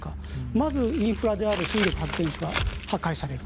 まずインフラである水力発電所が破壊される。